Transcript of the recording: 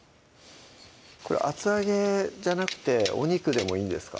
これ厚揚げじゃなくてお肉でもいいんですか？